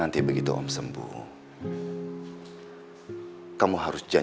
tidak ada yang bisa diberikan